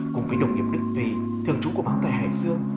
cùng với đồng nghiệp đức thùy thường trú của báo tại hải dương